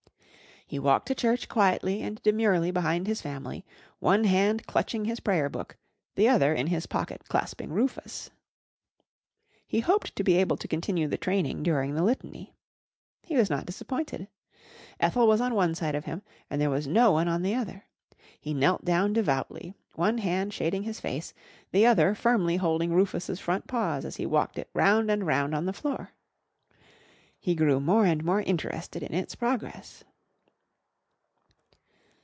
He walked to church quietly and demurely behind his family, one hand clutching his prayer book, the other in his pocket clasping Rufus. He hoped to be able to continue the training during the Litany. He was not disappointed. Ethel was on one side of him, and there was no one on the other. He knelt down devoutly, one hand shading his face, the other firmly holding Rufus's front paws as he walked it round and round on the floor. He grew more and more interested in its progress.